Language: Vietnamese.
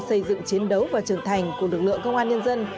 xây dựng chiến đấu và trưởng thành của lực lượng công an nhân dân